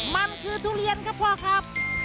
มันคือทุเรียนครับพ่อครับ